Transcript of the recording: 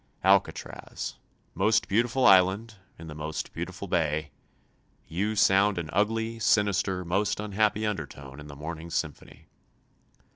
Alcatraz, most beautiful island in the most beautiful bay, you sound an ugly, sinister, most unhappy undertone in the morning's symphony.